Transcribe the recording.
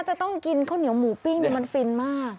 จะต้องกินข้าวเหนียวหมูปิ้งมันฟินมาก